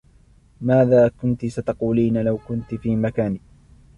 ماذا كُنتِ ستقولينَ لو كنتِ في مكاني؟